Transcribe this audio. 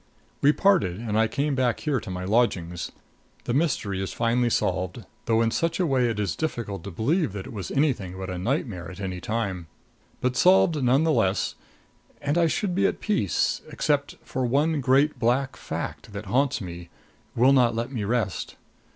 We parted and I came back here to my lodgings. The mystery is finally solved, though in such a way it is difficult to believe that it was anything but a nightmare at any time. But solved none the less; and I should be at peace, except for one great black fact that haunts me, will not let me rest.